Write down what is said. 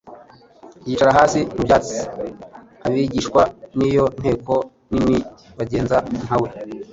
yicara hasi mu byatsi, abigishwa, n'iyo nteko nini bagenza nka we.